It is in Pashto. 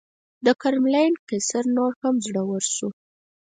د کرملین قیصر نور هم زړور شو.